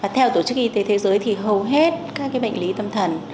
theo tổ chức y tế thế giới thì hầu hết các bệnh lý tâm thần